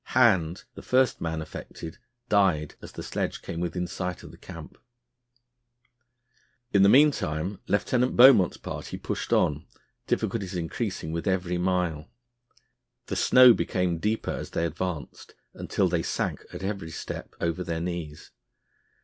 Hand, the first man affected, died as the sledge came within sight of the camp. In the meantime Lieutenant Beaumont's party pushed on, difficulties increasing with every mile. The snow became deeper as they advanced, until they sank at every step over their knees.